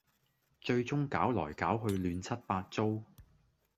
最終搞來搞去亂七八糟